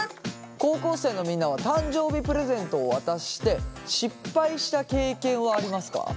高校生のみんなは誕生日プレゼントを渡して失敗した経験はありますか？